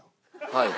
はい。